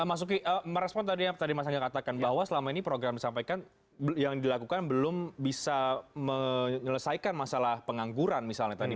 mas uki merespon tadi yang tadi mas angga katakan bahwa selama ini program disampaikan yang dilakukan belum bisa menyelesaikan masalah pengangguran misalnya tadi